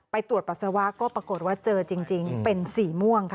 ตรวจปัสสาวะก็ปรากฏว่าเจอจริงเป็นสีม่วงค่ะ